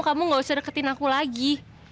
kamu gak usah deketin aku lagi